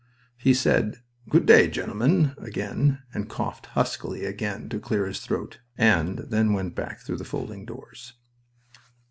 He said, "Good day, gentlemen," again, and coughed huskily again to clear his throat, and then went back through the folding doors.